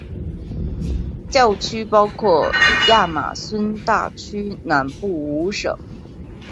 教区包括亚马孙大区南部五省。